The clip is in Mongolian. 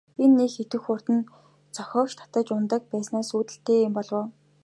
Энэ их идэвх хурд нь зохиогч татаж унадаг байснаас үүдэлтэй юм болов уу?